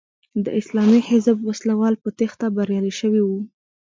د اسلامي حزب وسله وال په تېښته بریالي شوي وو.